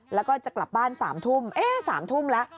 แล้วก็จะกลับบ้าน๓ทุ่ม๓ทุ่มแล้ว